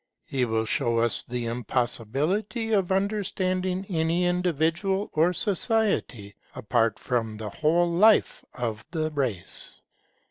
He will show us the impossibility of understanding any individual or society apart from the whole life of the race.